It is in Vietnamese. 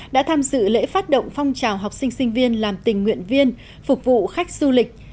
đã tham dự lễ phát động phong trào học sinh sinh viên làm tình nguyện viên phục vụ khách du lịch